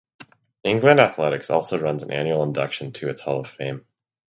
England Athletics also runs an annual induction to its Hall of Fame.